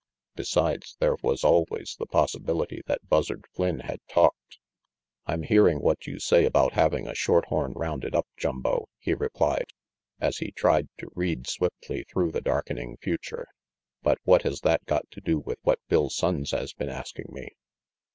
Besides, there was always the possibility that Buzzard Flynn had talked. "I'm hearing what you say about having a short horn rounded up, Jumbo," he replied, as he tried to read swiftly through the darkening future, "but what has that got to do with what Bill Sonnes has been asking me?"